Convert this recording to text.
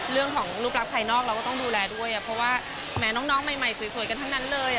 เรื่องของรูปรักภายนอกเราก็ต้องดูแลด้วยเพราะว่าแม้น้องใหม่สวยกันทั้งนั้นเลย